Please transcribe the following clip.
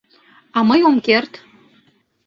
А мый ом керт...